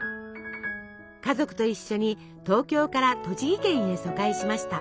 家族と一緒に東京から栃木県へ疎開しました。